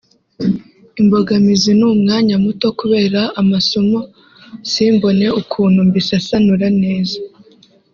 Imbogamizi ni umwanya muto kubera amasomo simbone ukuntu mbisasanura neza